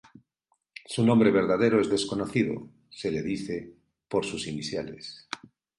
Su nombre verdadero es desconocido, se le dice por sus iniciales.